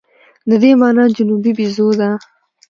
د دې مانا جنوبي بیزو ده.